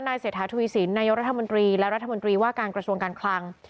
เศรษฐาทวีสินนายกรัฐมนตรีและรัฐมนตรีว่าการกระทรวงการคลัง